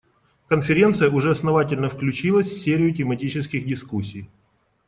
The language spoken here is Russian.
Конференция уже основательно включилась в серию тематических дискуссий.